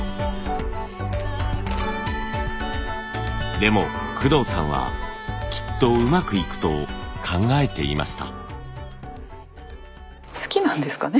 でも工藤さんはきっとうまくいくと考えていました。